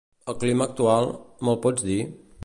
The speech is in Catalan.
El clima actual; me'l pots dir?